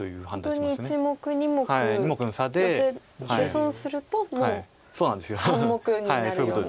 本当に１目２目ヨセで損するともう半目になるような。